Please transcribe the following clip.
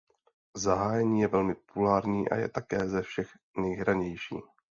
Zahájení je velmi populární a je také ze všech nejhranější.